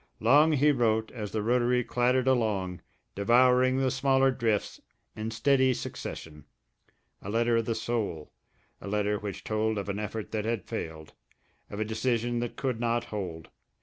Long he wrote as the rotary clattered along, devouring the smaller drifts in steady succession, a letter of the soul, a letter which told of an effort that had failed, of a decision that could not hold.